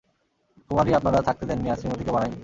কুমারী আপনারা থাকতে দেননি আর শ্রীমতি কেউ বানায়নি।